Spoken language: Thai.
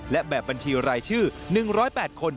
และแบบบัญชีรายชื่อ๑๐๘คน